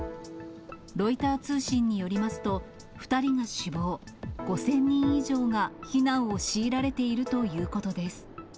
ロイター通信によりますと、２人が死亡、５０００人以上が避難を強いられているということです。